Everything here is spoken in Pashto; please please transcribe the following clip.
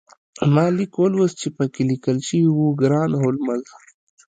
ما لیک ولوست چې پکې لیکل شوي وو ګران هولمز